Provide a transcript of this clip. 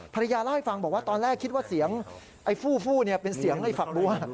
ภรรยาเล่าให้ฟังบอกว่าตอนแรกคิดว่าเสียงไอ้ฟู้เป็นเสียงในฝักบัว